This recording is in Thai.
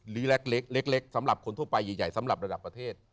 เล็กเล็กสำหรับคนทั่วไปใหญ่สำหรับระดับประเทศ